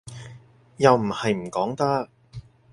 又唔係唔講得